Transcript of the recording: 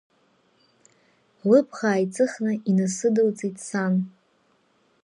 Лыбӷа ааиҵыхны инасыдылҵеит сан.